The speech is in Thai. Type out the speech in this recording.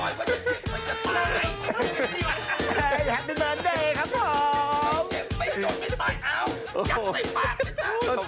แฮปปิดเมิร์นเดย์ครับผม